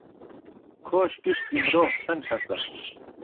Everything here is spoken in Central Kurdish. کۆش گشتی مرۆڤ چەند کەسە؟